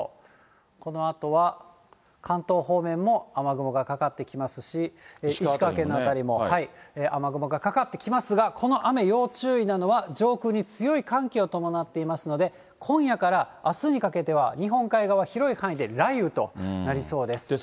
このあとは関東方面も雨雲がかかってきますし、石川県辺りも雨雲がかかってきますが、この雨、要注意なのは、上空に強い寒気を伴っていますので、今夜からあすにかけては日本海側広い範囲で雷雨となりそうです。